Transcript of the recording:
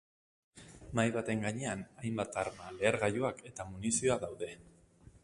Mahai baten gainean hainbat arma, lehergailuak eta munizioa daude.